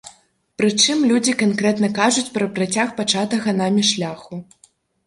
Прычым людзі канкрэтна кажуць пра працяг пачатага намі шляху.